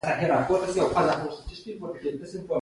د عرض زیاتوالی له انتقالي ګولایي پیلیږي